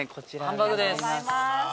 ハンバーグです。